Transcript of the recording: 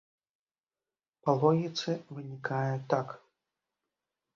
Па логіцы вынікае так.